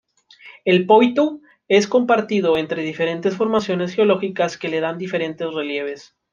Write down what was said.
El Poitou es compartido entre diferentes formaciones geológicas que le dan diferentes relieves.